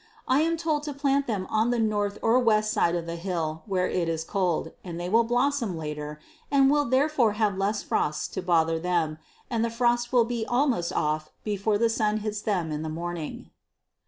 I am told to plant them on the north or west side of the hill, where it is cold, and they will blossom later and will therefore have less frosts to bother them, and the frost will be almost off before the sun hits them in the morning.